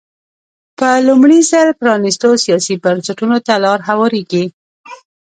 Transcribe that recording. په لومړي ځل پرانېستو سیاسي بنسټونو ته لار هوارېږي.